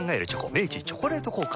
明治「チョコレート効果」